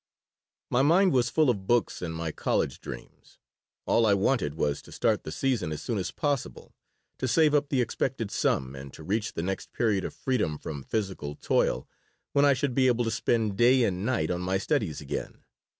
My mind was full of my books and my college dreams. All I wanted was to start the "season" as soon as possible, to save up the expected sum, and to reach the next period of freedom from physical toil, when I should be able to spend day and night on my studies again.